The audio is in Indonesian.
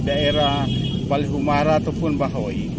daerah balihumara ataupun bahawai